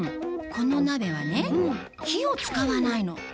この鍋はね火を使わないの。